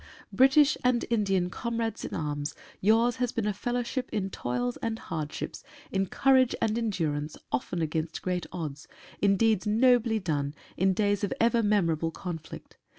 British and Indian comrades in arms, yours has been a fellowship in toils and hardships, in courage and endur ance often against great odds, in deeds nobly done in days of ever memorable conflict.